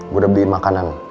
gue udah beliin makanan